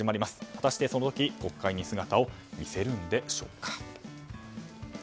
果たして、その時、国会に姿を見せるんでしょうか。